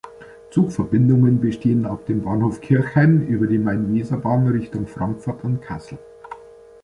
Zugverbindungen bestehen ab dem Bahnhof Kirchhain über die Main-Weser-Bahn Richtung Frankfurt und Kassel.